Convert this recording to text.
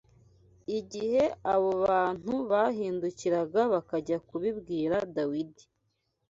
Igihe abo bantu bahindukiraga bakajya kubibwira Dawidi